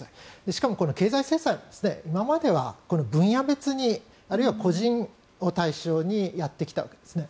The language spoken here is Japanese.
しかも経済制裁は今までは分野別にあるいは個人を対象にやってきたわけですね。